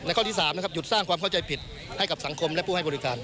ข้อที่๓นะครับหยุดสร้างความเข้าใจผิดให้กับสังคมและผู้ให้บริการ